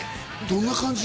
どんな感じ？